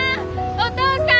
お父さん！